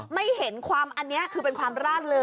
ไม่เห็นความอันนี้คือเป็นความร่าเริง